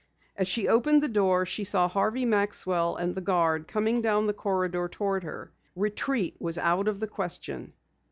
As she opened the door she saw Harvey Maxwell and the guard coming down the corridor toward her. Retreat was out of the question.